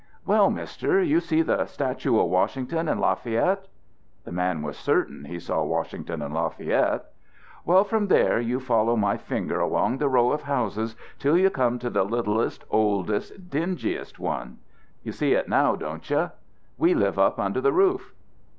"Well, Mister, you see the statue of Washington and Lafayette?" The man was certain he saw Washington and Lafayette. "Well, from there you follow my finger along the row of houses till you come to the littlest, oldest, dingiest one. You see it now, don't you? We live up under the roof."